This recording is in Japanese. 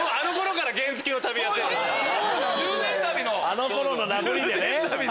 あの頃の名残でね。